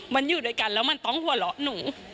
มันอยู่ด้วยกันแล้วมันต้องหัวเราะหนู